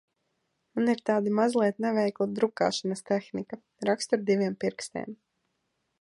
Man ir tāda mazliet neveikla drukāšanas tehnika – rakstu ar diviem pirkstiem.